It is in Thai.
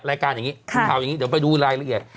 รายการอย่างนี้ข่าวอย่างนี้เดี๋ยวไปดูรายละเอียด